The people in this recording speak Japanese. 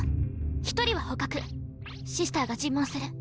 １人は捕獲シスターが尋問する。